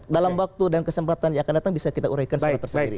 dalam waktu dan kesempatan yang akan datang bisa kita uraikan secara tersendiri